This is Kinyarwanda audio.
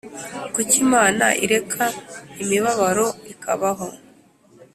Kuki Imana ireka imibabaro ikabaho?